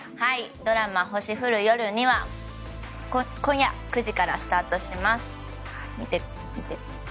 ドラマ「星降る夜に」は今夜９時からスタートします。